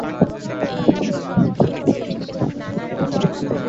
তাঁর প্রাণায়াম-বিষয়ক কথা সাড়ে সাতটা পর্যন্ত চলেছিল।